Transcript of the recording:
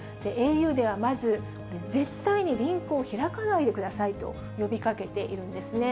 ａｕではまず、絶対にリンクを開かないでくださいと呼びかけているんですね。